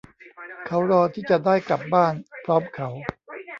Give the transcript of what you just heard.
เขารอที่จะได้กลับบ้านพร้อมเขา